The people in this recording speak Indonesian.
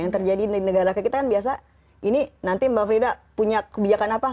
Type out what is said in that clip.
yang terjadi di negara kita kan biasa ini nanti mbak frida punya kebijakan apa